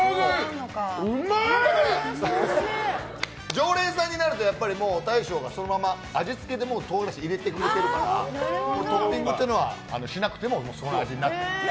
常連さんになると大将がそのまま味付けで唐辛子を入れてくれてるからトッピングしなくてもその味になってます。